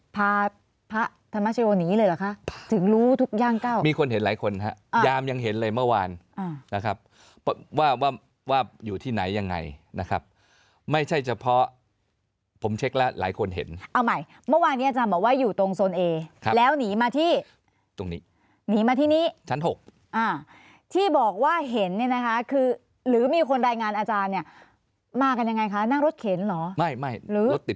พระธรรมชโยหนีเลยเหรอคะถึงรู้ทุกย่างเก้ามีคนเห็นหลายคนฮะยามยังเห็นเลยเมื่อวานนะครับว่าว่าอยู่ที่ไหนยังไงนะครับไม่ใช่เฉพาะผมเช็คแล้วหลายคนเห็นเอาใหม่เมื่อวานนี้อาจารย์บอกว่าอยู่ตรงโซนเอครับแล้วหนีมาที่ตรงนี้หนีมาที่นี้ชั้นหกอ่าที่บอกว่าเห็นเนี่ยนะคะคือหรือมีคนรายงานอาจารย์เนี่ยมากันยังไงคะนั่งรถเข็นเหรอไม่ไม่รู้รถติด